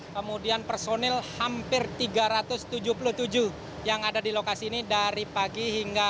kemudian personil hampir tiga ratus tujuh puluh tujuh yang ada di lokasi ini